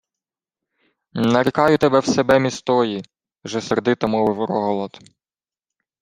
— Нарікаю тебе в себе містої — вже сердито мовив Рогволод.